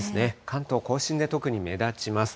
関東甲信で特に目立ちます。